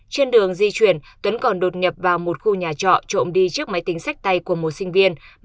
trên đường di chuyển tuấn còn đột nhập vào một khu nhà trọ trộm đi trước máy tính sách tay của một sinh viên